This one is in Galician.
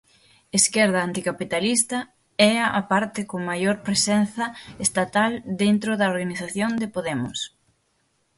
Esquerda Anticapitalista é a parte con maior presenza estatal dentro da organización de Podemos.